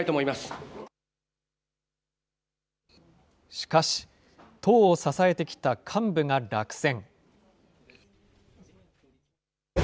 しかし、党を支えてきた幹部が落選。